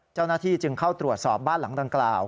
เจ้าหน้าที่จึงเข้าตรวจสอบบ้านหลังดังกล่าว